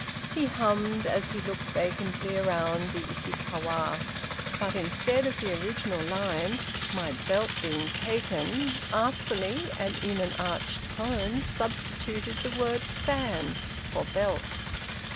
He hummed, as he looked vacantly around, the "Ishi kawa," but instead of the original line, "My belt being taken," artfully, and in an arch tone, substituted the word "fan" for "belt."